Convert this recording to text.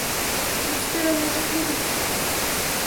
Но теперь он уже привык к ним.